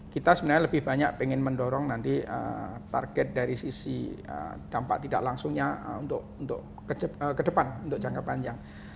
kita sebenarnya lebih banyak pengen mendorong nanti target dari sisi dampak tidak langsungnya untuk ke depan untuk jangka panjang